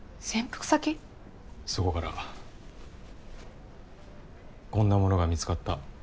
そこからこんな物が見つかった。